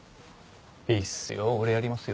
いいっすよ俺やりますよ。